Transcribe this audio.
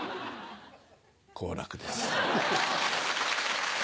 好楽です。